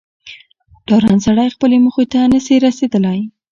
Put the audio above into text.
ډارن سړی خپلي موخي ته نه سي رسېدلاي